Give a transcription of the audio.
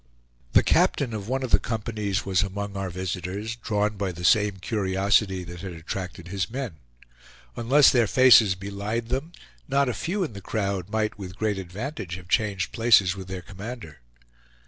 The captain of one of the companies was among our visitors, drawn by the same curiosity that had attracted his men. Unless their faces belied them, not a few in the crowd might with great advantage have changed places with their commander.